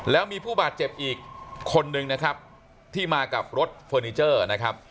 แล้วมีผู้บาดเจ็บอีกคนนึงนะครับที่มากับรถเฟอร์นิเจอร์นะครับ